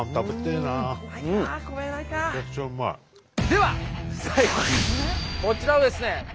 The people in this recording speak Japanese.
では最後こちらですね